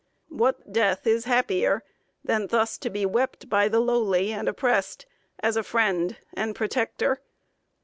What death is happier than thus to be wept by the lowly and oppressed, as a friend and protector!